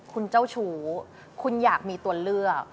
คุณเจ้าชู้คุณอยากมีตัวเลือก